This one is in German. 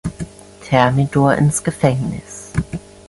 Thermidor ins Gefängnis.